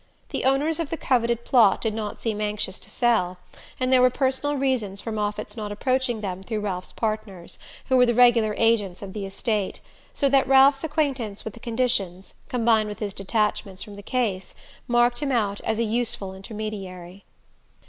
The owners of the coveted plot did not seem anxious to sell, and there were personal reasons for Moffatt's not approaching them through Ralph's partners, who were the regular agents of the estate: so that Ralph's acquaintance with the conditions, combined with his detachments from the case, marked him out as a useful intermediary.